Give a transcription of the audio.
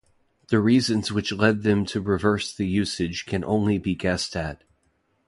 The reasons which led them to reverse the usage can only be guessed at.